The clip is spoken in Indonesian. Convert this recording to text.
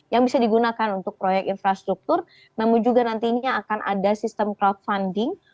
yang bisa digunakan untuk proyek infrastruktur namun juga nantinya akan ada sistem crowdfunding